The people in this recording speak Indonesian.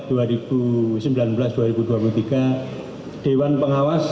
dewan pengawas dan juga pimpinan kpk yang baru